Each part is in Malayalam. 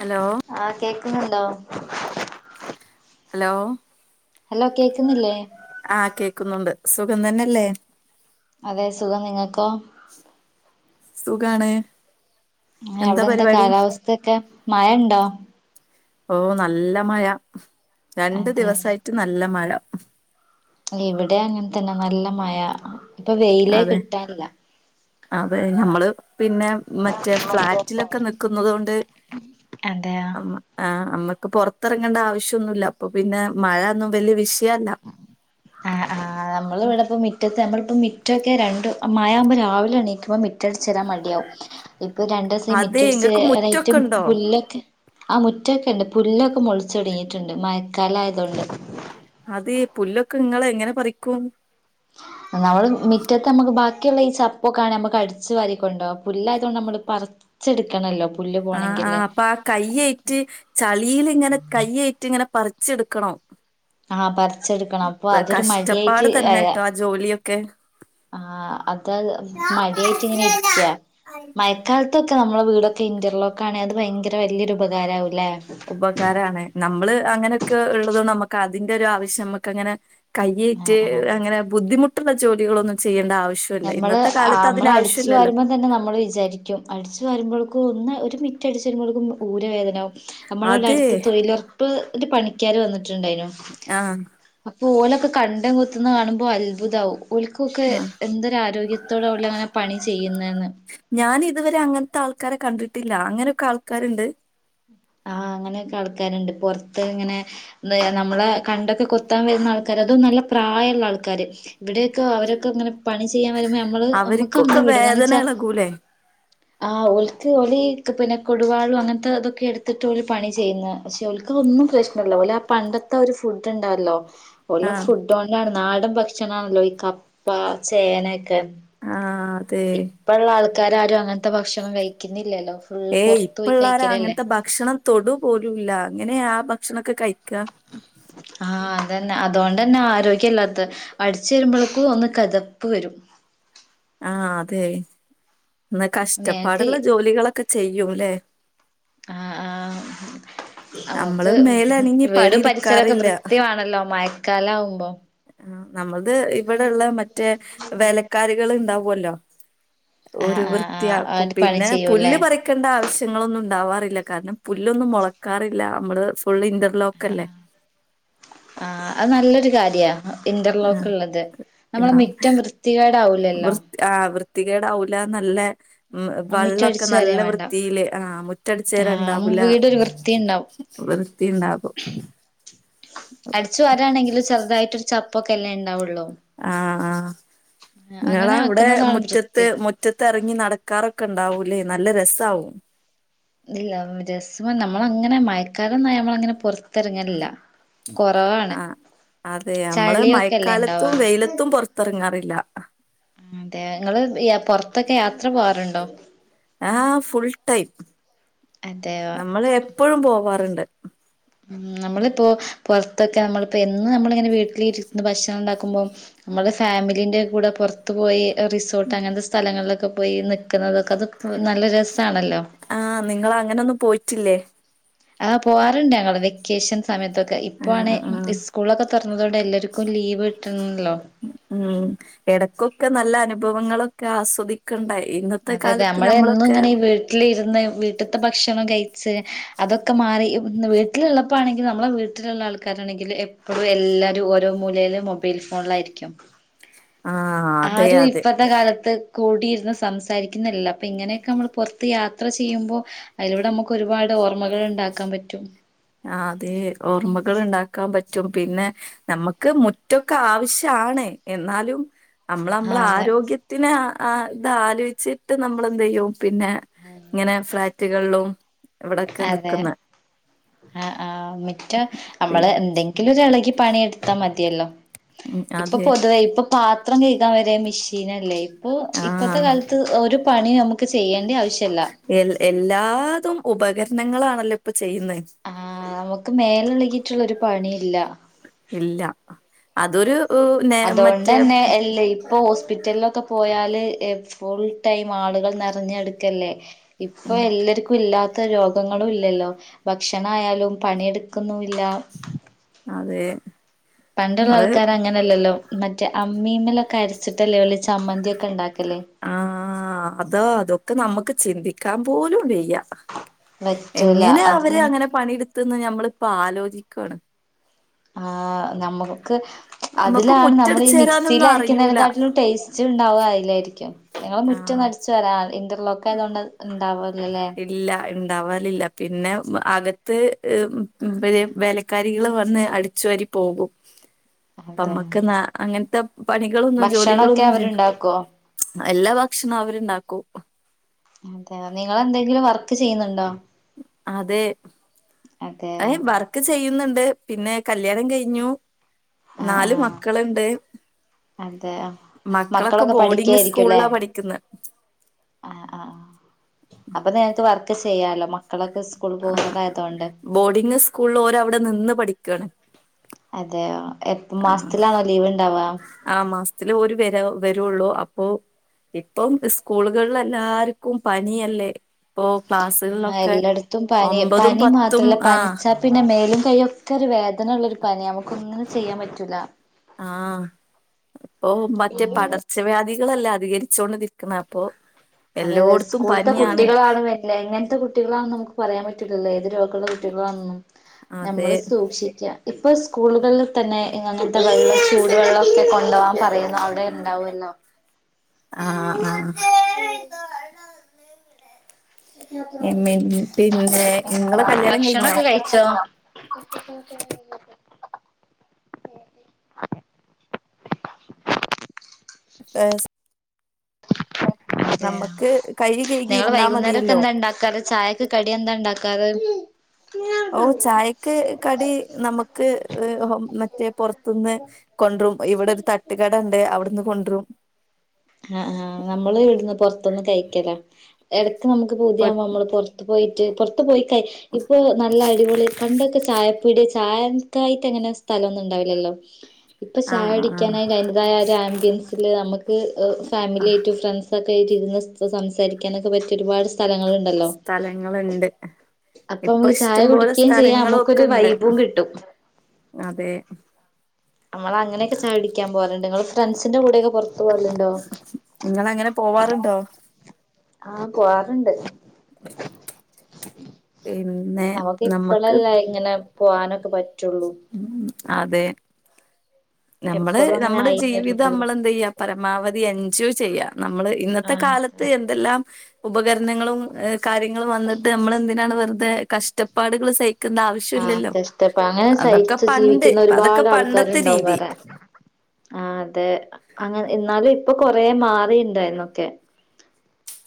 ഹലോ ആഹ് കേക്കുന്നുണ്ടോ ഹലോ ഹലോ കേക്കുന്നില്ലേ ആഹ് കേക്കുന്നുണ്ട് സുഖം തന്നെയല്ലേ അതെ സുഖം നിങ്ങൾകോ സുഖാണ് എന്താ അവിടെന്താ പരിപാടി കാലാവസ്ഥയൊക്കെ മയണ്ടോ ഓ നല്ല മയ രണ്ടു അതെ ദിവസായിട്ട് നല്ല മഴ ഇവിടെ അങ്ങനെ തന്നെ നല്ല മയ ഇപ്പൊ വെയിലേ അതെ കിട്ടാറില്ല അതെ ഞമ്മള് പിന്നെ മറ്റേ ഫ്ളാറ്റിലൊക്കെ നിക്കുന്നുന്നത് കൊണ്ട് അതെയോ [unintelligible] ആഹ് നമ്മുക്ക് പോറത്തിറങ്ങേണ്ട ആവശ്യന്നുമല്ല അപ്പൊ പിന്നെ മഴൊന്നും വലിയ വിഷയല്ല ഉ ആഹ് ആഹ് നമ്മൾ ഇവിടെപ്പോ മിറ്റത്ത് നമ്മളിപ്പോ മിറ്റൊക്കെ രണ്ട് മഴവുമ്പോ രാവിലെ എണീക്കുമ്പോ മ മിറ്റടിച്ചിരാൻ മടിയാവും ഇപ്പൊ രണ്ട ദിവസം അതെ ഇങ്ങക്ക് മുറ്റൊക്കെ മിറ്റടിച്ചിയിറ്റും ഉണ്ടോ പുല്ലൊക്കെ ആഹ് മുറ്റൊക്കെണ്ട് പുല്ലൊക്കെ മുളിച്ച തുടങ്ങിയിട്ടുണ്ട് മയക്കാല ആയതുകൊണ്ട് അതെ പുല്ലൊക്കെ നിങ്ങള് എങ്ങനെ പറിക്കും നമ്മളേ മ മുറ്റത്തെ നമ്മുക്ക് ബാക്കിയുള്ള ഈ ചപ്പൊക്കെണ നമുക്ക് അടിച്ചു വരിക്കൊണ്ടോ പുല്ലായതുകൊണ്ട് നമ്മള് പറ ച്ടുക്കണല്ലോ ആഹ ആഹ് അപ്പ കയേറ്റ് ചളിൽങ്ങനെ കയ്യേറ്റ് ഇങ്ങനെ പറിച്ചെടുക്കണോ ആഹ് പറിച്ചെടുക്കണം അപ്പൊ അതൊരു മടിയായിട്ട് കഷ്ടപ്പാട് ആയതാ തന്നെട്ടോ ആ ജോലിയൊക്കെ ആഹ് അത മടിയായിട്ട് ഇങ്ങനെ ഇരിക്ക മഴക്കാലത്ത് ക്കെ നമ്മളെ വീടൊക്കെ ഇൻന്റെർ ലോക്ക് ആണെ അത് ഭയങ്കര വലിയൊരുപകാരാവൂല്ലേ ഉപകാരമാണ് നമ്മള് അങ്ങനെയൊക്കെ ഇള്ളതുകൊണ്ട് നമ്മുക്ക് അതിന്റെ ഒരു ആവശ്യം മ്മക്കങ്ങനെ ആഹ് കയ്യേറ്റ് ആഹ് അങ്ങനെ ബുദ്ധിമുട്ടുള്ള ജോലികളൊന്നും ചെയ്യേണ്ട ആവശ്യം നമ്മള് നമ്മൾ അടിച്ചു വരുമ്പോ തന്നെ നമ്മള് വിചാരിക്കും അടിച്ച് വരുമ്പോളെക്കും ഒന്ന് ഒരു മിറ്റ് അടച്ച് വരുമ്പോളെക്കും ഊരവേദനവും നമ്മളെള്ള അതെ അടുത്ത് തൊയിലൊർ ഇപ്പോൾ ഒരു പണിക്കാർ വന്നിട്ടുണ്ടായിരുന്നു ആഹ് അപ്പൊ ഓലൊക്കെ കണ്ടം കൊത്തുന്നത് കാണുമ്പോ അത്ഭുത ആവും ഓൽക്കൊക്കെ ആഹ് എന്തൊരു ആരോഗ്യത്തോടെ ഓൽ അങ്ങനെ പണി ചെയ്യുന്ന് ഞാൻ ഇതുവരെ അങ്ങനത്തെ ആൾക്കാരെ കണ്ടിട്ടില്ല അങ്ങനെയൊക്കെ ആൾക്കാര്ണ്ട് ആഹ് അങ്ങനെയൊക്കെ ആൾക്കാരുണ്ട് പൊറത്ത് ഇങ്ങനെ ന്ന് നമ്മളെ കണ്ടൊക്കെ കൊത്താൻ വരുന്ന ആൾക്കാര് അതും നല്ല പ്രായള്ള ആൾക്കാര് ഇവിടെയൊക്കെ അവരൊക്കെ ഇങ്ങനെ പണി ചെയ്യാൻ വരുമ്പോ നമ്മള് നമ്മുക്ക് അവർക്കൊക്കെ അന്തംവിടും വേദന കാരന്ന്ച്ചാ ഇളകൂലേ ആ ഓൽക്ക് ഓല് പിന്നെ കൊടുവാളും അങ്ങനത്തെ ഇതൊക്കെ എടുത്തിട്ട്ഓല് പണി ചെയ്യുന്നെ പക്ഷെ ഓൽക്ക് ഇതൊന്നും പ്രശ്നല്ല ഓലെ ആ പണ്ടത്തെ ഒരു ഫുഡ് ഉണ്ടല്ലോ ഓല ആഹ് ഫു ണ്ടോണ്ടാണ് നാടൻ ഭക്ഷണാല്ലോ ഈ കപ്പ ചേനൊക്കെ ആഹ് അതെ ഇപ്പള്ള ആൾക്കാരാരും അങ്ങനത്തെ ഭക്ഷണം കഴിക്കുന്നില്ലല്ലോ ഫുള്ള് ഏയ് പുറത്ത് പോയി ഇപ്പള്ളാരാ കഴിക്കലല്ലേ അങ്ങനത്തെ ഭക്ഷണം തൊടു പോലുംല്ല എങ്ങനെ ആ ഭക്ഷണൊക്കെ കഴിക്ക ആഹ് അതന്നെ അതുകൊണ്ട്ന്നെ ആരോഗ്യല്ലാത്തെ അടിച്ചു വരുമ്പോളെക്കും ഒന്ന് കതപ്പ് വരും ആ അതെ ന്നാ നേക്ക് കഷ്ടപ്പാടുള്ള ജോലികളൊക്കെ ചെയ്യൂല്ലേ ആ ആ നമ്മള് നമുക്ക് മേലനങ്ങി വീടും പരിസരൊക്കെ പണിയെടുക്കാറില്ല വൃത്തിവാണല്ലോ മഴക്കാലം ആവുമ്പോ ആ നമ്മത് ഇവിടെള്ള മറ്റേ വേലക്കാരികള് ഉണ്ടാവുല്ലോ ആഹ് ഓര് ആഹ് ആഹ് വൃത്തിയാക്കും അത് പണി പിന്നെ ചെയ്യൂല്ലേ പുല്ല് പറ ക്കെണ്ട ആവശ്യങ്ങളൊന്നും ഉണ്ടാവാറില്ല കാരണം പുല്ലൊന്നും മുളക്കാറില്ല നമ്മള് ഫുൾ ഇന്റർലോക്കല്ലേ ആഹ് അത് നല്ലൊരു കാര്യ ആ ഇന്റർലോക്ക് ള്ളത് നമ്മളെ മിറ്റം വൃത്തികേടാവൂല്ലല്ലോ ആ് വൃത്തികേടാവൂല നല്ല മിറ്റം വെള്ളൊക്കെ അടിച്ചു നല്ല വാരാൻ വേണ്ട വൃത്തിയില് ആ മു ആഹ് റ്റട്ച്ചരാണ്ടാവൂല വീടൊരു വൃത്തിയുണ്ടാവും വൃത്തി ഇണ്ടാവും അടിച്ചു വരാണെങ്കിലും ചെറുതായിട്ടൊരു ചപ്പൊക്കെല്ലേ ഉണ്ടാവുള്ളൂ ആഹ് ആ ഇങ്ങള അങ്ങനെ അവിടെ വെക്കുന്നതാണ് മുറ്റത്ത് വൃത്തി മു മുറ്റത്തറങ്ങി നടക്കാറൊക്കെ ഉണ്ടാവൂല്ലേ നല്ല രസാവും ഇല്ല രസമം നമ്മളങ്ങനെ മയക്കാലംന്നായ നമ്മളങ്ങനെ പൊറത്തറങ്ങലില്ല ആഹ് അതെ നമ്മള് ചളിയൊക്കെല്ലേ ഇണ്ടാവാ മഴക്കാലത്തും വെയിലത്തും പൊറത്തറങ്ങാറില്ല അതെ നിങ്ങള് പൊറത്തൊക്കെ യാത്ര പോവാറുണ്ടോ ആ്ഹ് ഫുൾ ടൈം അതെ നമ്മള് എപ്പഴും പോവാറ്ണ്ട് ഉം നമ്മളിപ്പോ പുറത്തൊക്കെ നമ്മളിപ്പോ എന്ന് നമ്മളിങ്ങനെ വീട്ടില് ഇരുന്ന് ഭക്ഷണം ഇണ്ടാക്കുമ്പോ നമ്മള് ഫാമിലിന്റെ കൂടെ പുറത്തു പോയി റിസോർട്ട് അങ്ങനത്തെ സ്ഥലങ്ങളിലൊക്കെ പോയി നിക്കുന്നതൊക്കെ അത് നല്ല രസാണല്ലോ ആഹ് നിങ്ങളങ്ങനൊന്നും പോയിറ്റില്ലേ ആ പോവാറുണ്ട് ഞങ്ങള് വെക്കേഷൻ സമയത്തൊക്കെ ഇപ്പോ ആണെ ആഹ് ആഹ് സ്കൂളൊക്കെ തൊറന്നതോടെ എല്ലാര്ക്കും ലീവ് കിട്ട്ണല്ലോ ഉം എടക്കൊക്കെ നല്ല അനുഭവങ്ങളൊക്കെ ആസ്വദി ക്കണ്ട ഇന്നത്തെ അതെ അതെ കാലത്ത് നമ്മള് എന്നും നമ്മളൊക്കെ ഇങ്ങനെ ഈ വീട്ടിലിരുന്ന് വീട്ടിത്തെ ഭക്ഷണം കൈച്ച് അതൊക്കെ മാറി വീട്ടിലുള്ളപ്പോണെങ്കി നമ്മളെ വീ ട്ടിലുള്ള ആൾക്കാരാണെങ്കിൽ എപ്പോഴും എല്ലാരും ഓരോ മൂലയില് മൊബൈൽ ഫോണിലായിരിക്കും ആഹ് അതെ ആരു അതെ ഇപ്പത്തെ കാലത്ത് കൂടിയിരുന്ന് സംസാരിക്കുന്നില്ല അപ്പ ഇങ്ങനെയൊക്കെ നമ്മൾ പുറത്ത് യാത്ര ചെയ്യുമ്പോ അതിലൂടെ നമുക്ക്ഒരുപാട് ഓർമ്മകള് ഇണ്ടാക്കാൻ പറ്റും ആ അതെ ഓർമ്മകള് ഇണ്ടാക്കാൻ പറ്റും പിന്നെ നമുക്ക് മുറ്റക്കെ ആവശ്യാണ് എന്നാലും നമ്മള് ആ നമ്മളെ അതെ ആരോഗ്യത്തിന് ആ തലോചിച്ചിട്ട് നമ്മളെന്ത്യ്യും പിന്നെ ഇങ്ങനെ ഫ്ളാറ്റുകള്ലും ഇവിടൊക്കെ നിക്കുന്ന ആ ആഹ് മിറ്റ നമ്മള് എന്തെങ്കിലും ഒരു എളകി പണിയെടുത്താ മതിയല്ലോ ഉം ഇപ്പൊ അതെ പൊതുവേ ഇപ്പൊ പാത്രം കയികാൻ വരെ മിഷീനല്ലേ ഇപ്പൊ ഇപ്പത്തെ ആഹ് കാല ത്ത് ഒരു പണിയു നമുക്ക് ചെയ്യണ്ട ആവശ്യല്ല എ എല്ലാതും ഉപകരണങ്ങളാണല്ലോ ഇപ്പൊ ചെയ്യുന്നെ ആഹ് നമുക്ക് മേലെളകിയിട്ടുള്ള ഒരു പണിയില്ല ഇല്ല അതൊരു നെ അതോണ്ട് മറ്റേ തന്നെ എല്ലെയ് ഇപ്പൊ ഹോസ്പിറ്റലിലൊക്കെ പോയാല് ഫുൾ ടൈം ആളുകൾ നിറഞ്ഞ് കെടക്കല്ലേ ഇപ്പൊ ഉം എല്ലർക്കും ഇല്ലാ ത്ത രോഗങ്ങളുംല്ലല്ലോ ഭക്ഷണായാലും പണിയെടുക്കുന്നുല്ല. അതെ. പണ്ട്ള്ള നമ്മള് ആൾക്കാരങ്ങനല്ലല്ലോ? മറ്റേ അമ്മീമ്മിലൊക്കെ അരച്ചിട്ടല്ലേ ഓല് ചമ്മന്തിഒക്കെ ഇണ്ടാക്കല് ആഹ അതോ അതൊക്കെ നമുക്ക് ചിന്തിക്കാൻ പോലും വെയ്യ പറ്റൂല എങ്ങനെ അവര് അതും അങ്ങനെ പണിഇട്ത്ത്ന്ന് ഞമ്മളിപ്പ ആലോജിക്കേണ്.. ആ നമുക്ക് നമ്മുക്ക് അതിലാണ് നമ്മൾ ഈ മിക്സിൽ മുറ്റടിച്ചേരാനൊന്നും അറിയൂല അരക്കുന്നതിനക്കാട്ടിലും ടേസ്റ്റ് ഉണ്ടാവുക അതില്ലായിരിക്കും ഞങ്ങള് ആഹ് മുറ്റം അടിച്ചു വരാ ഇന്റർലോക്ക് ആയതോണ്ട് അത് ഉണ്ടാവൂലല്ലേ ല്ല ഇണ്ടാവലില്ല പിന്നെ അകത്ത് ഇവര് വേലക്കാരികൾ വന്ന് അട് ച്ചുവരി പോകും [inaudible] അമ്മക്ക് ന്നാ അങ്ങനത്തെ പണികളൊന്നും ഭക്ഷണൊക്കെ ജോലികളൊന്നും അവരുണ്ടാക്കുവോ ചെയ്യണ്ടാ എല്ലാ ഭക്ഷണം അവര്ണ്ടാക്കും അതെയൊ നിങ്ങളെന്തെങ്കിലും വർക്ക് ചെയ്യുന്നുണ്ടോ? അതെ അതെ അയ് ബർ ഒക്കെ ചെയ്യുന്നുണ്ട് പിന്നെ കല്യാണം കഴിഞ്ഞു ആ ന്നാല് ആ മക്കള്ണ്ട്. അതെ മക്കളൊക്കെ ബോർഡിങ് സ്കൂളിലാ പഠിക്കുന്നത് ആ ആ അപ്പൊ നിനക്ക് വർക്ക് ചെയ്യാലോ മക്കളൊക്കെ സ്കൂള് പോകുന്നതായതൊണ്ട് ബോഡിങ് സ്കൂൾല് ഓര് അവ്ടെ നിന്ന് പഠിക്കേണ്.. അതെയ എപ്പ മാസത്തിലാണോ ലീവ് ഇണ്ടാവാ ആ മാസത്തില് ഒരു വര വരുള്ളൂ അപ്പൊ ഇപ്പം ഇസ്കൂളുകൾ എല്ലാര്ക്കും പനിയല്ലേ.. ഇപ്പോ ആഹ് ക്ലാസ്സ്കൾഒക്കെ എല്ലായിടത്തും പനി ഒമ്പതും പനി പത്തും മാത്രല്ല ആഹ് - പനിച്ചാ പിന്നെ മേലും കൈയ്യും ഒക്കെ ഒരു വേദന ഉള്ള ഒരു പനി നമുക്ക് ഒന്നും ചെയ്യാൻ പറ്റൂല ആഹ ഇപ്പൊ മറ്റേ പടർച്ചവ്യാധികളല്ല അധികരിച്ചോണ്ട് നിക്കണ അപ്പൊ അതെ അതെ എല്ലോടത്തും സ്കൂള്ത്തെ പനിയാണ് കുട്ടികളാണ് വര്ന്നെ എങ്ങനത്തെ കുട്ടികളാണെന്ന് നമുക്ക് പറയാൻ പറ്റില്ലല്ലോ ഏത് രോഗള്ള വന്നു അതെ നമ്മള് സൂക്ഷിക്ക ഇപ്പ സ്കൂളുകളിൽ ഒക്കെ തന്നെ ത്ത വെള്ളം ചൂടു വെള്ളോക്കെ കൊണ്ടൊവാൻ പറയുന്നവ്ടെ ഉണ്ടാവൊല്ലോ. ആഹ ആ ഉം പിന്നെ ഇങ്ങളെ കല്യാണം കഴിഞ്ഞോ ഭക്ഷണൊക്കെ കഴിച്ചോ [unintelligible] എൻസ് അതെയ നമ്മക്ക് കൈ കഴുകി നിങ്ങള് ഇരുന്നാ വൈകുന്നേരൊക്കെ മതിയല്ലോ എന്താ ഇണ്ടാക്കാറ് ചായക്ക്‌ കടി എന്താ ഇണ്ടാക്കാറ്. ഓ ചായക്ക് കടി നമക്ക് മറ്റേ പുറത്തുന്ന് കൊണ്ട്രും ഇവിടെ ഒരു തട്ടുകട ഇണ്ട് അവിടുന്ന് കൊണ്ട്രും ആഹ് ആഹ് നമ്മള് ഇവിടുന്ന് പൊറത്ത്ന്ന് കഴിക്കല എടക്ക് ന്നമക്ക് പുതിയാവുമ്പൊ നമ്മള് പൊറത്ത് പോയിറ്റ് പൊറത്ത് പോയികൈ ഇപ്പൊ നല്ല അടിപൊളി പണ്ടൊക്കെ ചായപ്പീട്യ ചായക്കായിട്ട് അങ്ങനെ സ്ഥലൊന്നും ഉണ്ടാവില്ലല്ലോ ഇപ്പൊ ചായ ആഹ് ആഹ് കുടിക്കാനായിട്ട് അയിന്റെ അതായ ഒരു ആമ്പ്യൻസിൽ നമുക്ക് എഹ് ആഹ് ഫാമിലിയേറ്റും ഫ്രണ്ട്സൊക്കെ ആയ്റ്റും ഇരുന്ന് സംസാരിക്കാനൊക്കെ പറ്റിയ ഒരുപാട് സ്ഥലങ്ങള്ണ്.. സ്ഥലങ്ങളുണ്ട് അപ്പൊ ഇപ്പൊ നമുക്ക് ചായ ഇഷ്ടംപോലെ കുടിക്കുകയും ചെയ്യാം സ്ഥലങ്ങളും ഒക്കെ നമുക്കൊരു ഇണ്ട് വൈബും കിട്ടും അതെ നമ്മള അങ്ങനൊക്കെ ചായുടിക്കാൻ പോവാറുണ്ട് നിങ്ങള് ഫ്രണ്ട്സിന്റെ കൂടൊക്കെ പൊറത്ത് പോവലുണ്ടോ? നിങ്ങളങ്ങനെ പോവാറുണ്ടോ ആഹ് പോവാറുണ്ട് [inaudible] പിന്നെ നമുക്ക് നമ്മക്ക് ഇപ്പളല്ല ഇങ്ങനെ പോകാനൊക്കെ പറ്റുള്ളൂ ഉം അതെ നമ്മള് എപ്പോഴും അങ്ങനെ നമ്മുടെ ആയിന്ന് ജീവിതം വരൂലല്ലോ നമ്മള് എന്ത് ചെയ്യാ പരമാവധി എൻജോയ് ചെയ്യാം നമ്മള് ഇന്നത്തെ ആഹ് കാലത്ത് അതെ എന്തെല്ലാം ഉപകരണങ്ങളും കാര്യങ്ങളും വന്നിട്ട് നമ്മൾ എന്തിനാണ് വെറുതെ കഷ്ടപ്പാടുകൾ സഹിക്കുന്ന ആവശ്യ ആഹ് കഷ്ടപ്പാട് അങ്ങനെ സഹിച്ച് പണ്ട് ജീവിക്കുന്ന അതൊക്കെ ഒരുപാട് പണ്ടത്തെ ആൾക്കാരുണ്ടാവും രീതി. വേറെ ആഹ് അതെ അങ്ങനെ എന്നാലും ഇപ്പൊ കൊറേ മാറി ഉണ്ടായിന്നൊക്കെ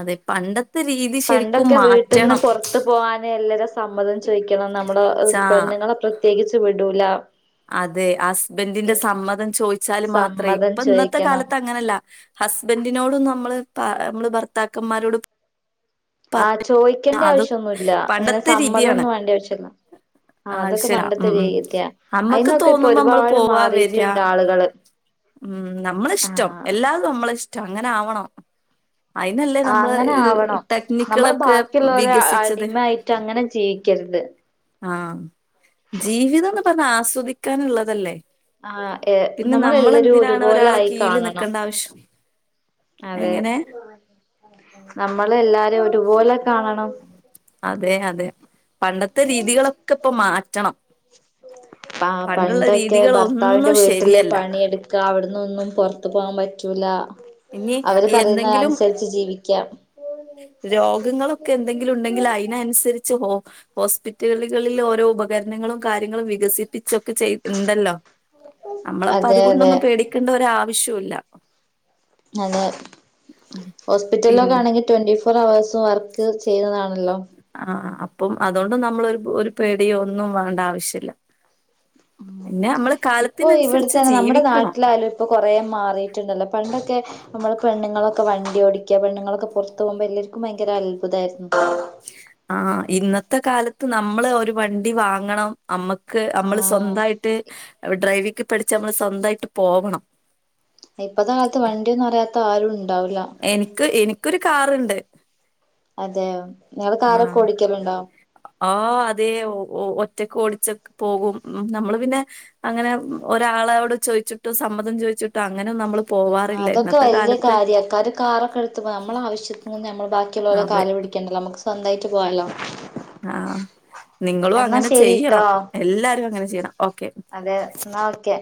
അതെ പണ്ടത്തെ രീതി ശരിക്കും പണ്ടൊക്കെ വീട്ടിന്ന് മാറ്റണം പുറത്ത് പോകാന് എല്ലരേം സമ്മതം ചോദിക്കണം നമ്മുളെ ചാ പെണ്ണുങ്ങളെ പ്രത്യേകിച്ച് വിടൂല അതെ ഹസ്ബൻഡിന്റെ സമ്മതം ചോദിച്ചാല് മാത്രേ സമ്മതം ഇപ്പ ഇന്നത്തെ ചോദിക്കണം കാലത്ത് അങ്ങനെയല്ല ഹസ്ബൻഡിനോടും നമ്മള് നമ്മള് ഭർത്താക്കന്മാരോട് ആഹ് ചോദിക്കേണ്ട അതൊ ആവശ്യം ഒന്നും ഇല്ല ഇങ്ങനെ പണ്ടത്തെ രീതിയാണ്. സമ്മതമൊന്നും വേണ്ട ആവശ്യമില്ല ആഹ് അതൊക്കെ ആവശ്യല്ല പണ്ടത്തെ ഉം ഉം രീത്യാ അമ്മക്ക് അതിന്നൊക്കെ ഇപ്പൊ തോന്നുമ്പോ നമ്മള് ഒരുപാട് പോവാ വരാ മാറിട്ടുണ്ട് ആളുകള് ഉം ആ നമ്മളിഷ്ടം എല്ലാം നമ്മളെ ഇഷ്ടം അങ്ങനെ ആവണം അയിനല്ലേ ആ നമ്മള് അങ്ങനെ ആവണം നമ്മള് ടെക്നിക്കുകളൊക്കെ ബാക്കിയുള്ളവരെ വികസിച്ചത് അടിമയായിട്ട് അങ്ങനെ ജീവിക്കരുത് ആഹ് ജീവിതം എന്ന് പറഞ്ഞാ ആസ്വദിക്കാനുള്ളതല്ലേ ആഹ് ഏഹ് പിന്നെ നമ്മള് എല്ലരേം നമ്മളെന്തിനാണ് ഒരുപോലെ ഒരാളെ ആയി കീഴില് കാണണം നിക്കണ്ട ആവശ്യം അതെ എങ്ങനെ നമ്മള് എല്ലാരേം ഒരുപോലെ കാണണം അതെ അതേ പണ്ടത്തെ രീതികളൊക്കെ ഇപ്പൊ മാറ്റണം ആഹ് പണ്ടുള്ള പണ്ടൊക്കെ ഭർത്താവിന്റെ രീതികളൊന്നും വീട്ടില് ശരിയല്ല പണിയെടുക്ക നമ്മക്ക് അവിടുന്നൊന്നും പുറത്തു പോകാൻ പറ്റൂലാ ഇനി അവര് പറയുന്ന എന്തെങ്കിലും അനുസരിച്ച് ജീവിക്ക രോഗങ്ങളൊക്കെ എന്തെങ്കിലും ഉണ്ടെങ്കിൽ അതിനനുസരിച്ച് ഓ ഹോസ്പിറ്റലുകളിൽ ഓരോ ഉപകരണങ്ങളും കാര്യങ്ങളും വികസി പിച്ചൊക്കെ ചെയ് ഉണ്ടല്ലോ നമ്മളപ്പ അതെ അതെ അതുകൊണ്ടൊന്നും പേടിക്കേണ്ട ഒരാവശ്യവില്ല അതെ പിന്നെ ഹോസ്പിറ്റലിലേക്കാണെങ്കിൽ ട്വന്റി ഫോർ അവേഴ്സും വർക്ക് ചെയ്യുന്നതാണല്ലോ ആഹ് അപ്പം അതുകൊണ്ട് നമ്മള് ഒരു ഒരു പേടിയ ഒന്നും വേണ്ട ആവശ്യമില്ല ഉം പിന്നെ നമ്മള് കാലത്തിനനുസരിച്ച് ജീവിക്കണം ഇപ്പോ കൊറേ മാറിട്ടുണ്ടല്ലോ പണ്ടൊക്കെ നമ്മള് പെണ്ണങ്ങളൊക്കെ വണ്ടി ഓടിക്കുക പെണ്ണുങ്ങളൊക്കെ പുറത്ത് പോകുമ്പോ എല്ലാവർക്കും ഭയങ്കര അത്ഭുതമായിരുന്നു ആഹ് ഇന്നത്തെ കാലത്ത് നമ്മള് ഒരു വണ്ടി വാങ്ങണം നമ്മക്ക് നമ്മള് ആഹ് സ്വന്തായിട്ട് ഡ്രൈവിക്ക്‌ പഠിച്ച് നമ്മള് സ്വന്തായിട്ട് പോവണം ഇപ്പത്തെ കാലത്ത് വണ്ടിയന്നും അറിയത്ത ആരും ഉണ്ടാവൂല്ല എനിക്ക് എനിക്കൊരു കാറുണ്ട് അതെയോ നിങ്ങള് കാറോക്കെ ഓടിക്കറുണ്ടോ ആഹ് അതെ ഒറ്റക്ക് ഓടിചക്കെ പോകും നമ്മള് പിന്നെ അങ്ങനെ ഒരാളോട് ചോദിച്ചിട്ടോ സമ്മതം ചോദിച്ചിട്ടോ അങ്ങനെ ഒന്നും നമ്മള് ആഹ് പോവാറില്ല അതൊക്കെ ഇന്നത്തെ വല്യാ കാലത്ത്. കാര്യ കാറൊക്കെ എടുത്ത് പോകും നമ്മളെ ആവശ്യത്തിന് നമ്മൾ ബാക്കിയുള്ളവരുടെ അതെ. കാല് പിടിക്കേണ്ടല്ലോ നമുക്ക്‌ സ്വന്തായിട്ട് പോവാലോ ആഹ് നിങ്ങളും എന്നാ അങ്ങനെ ചെയ്യണം ശരിട്ടോ എല്ലാരും അങ്ങനെ ചെയ്യണം ഓക്കെ അതെ എന്നാ ഓക്കെ